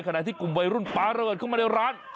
ขณะที่กลุ่มวัยรุ่นปลาระเบิดเข้ามาในร้าน